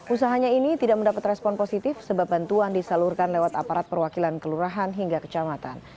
usahanya ini tidak mendapat respon positif sebab bantuan disalurkan lewat aparat perwakilan kelurahan hingga kecamatan